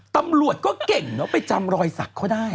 ตำรวจก็เก่งเนอะไปจำรอยสักเขาได้